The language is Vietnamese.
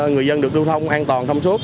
người dân được du thông an toàn thông suốt